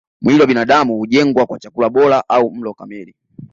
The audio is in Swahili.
Mwili wa binadamu hujengwa kwa chakula bora au mlo kamili